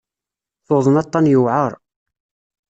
Tuḍen aṭṭan yewɛer.